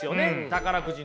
宝くじのね